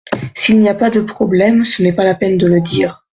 S’il n’y a pas de problème ce n’est pas la peine de le dire.